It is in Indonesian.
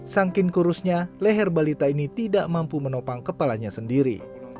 sangkin kurusnya leher balita ini tidak mampu menopang kepalanya sendiri